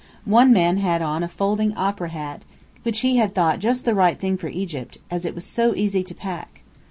One man had on a folding opera hat, which he had thought just the right thing for Egypt, as it was so easy to pack!